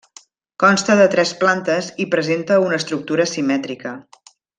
Consta de tres plantes i presenta una estructura simètrica.